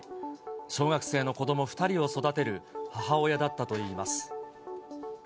小学生の子ども２人を育てる母親だったといいます。